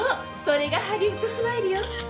それがハリウッドスマイルよ。